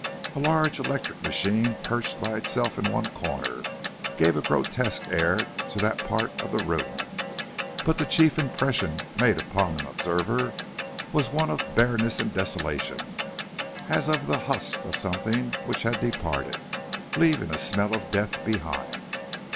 A large electric machine perched by itself in one corner, gave a grotesque air to that part of the room, but the chief impression made upon an observer was one of bareness and desolation, as of the husk of something which had departed, leaving a smell of death behind.